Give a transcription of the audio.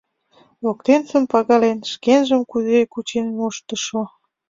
Воктенсым пагален, шкенжым кузе кучен моштышо.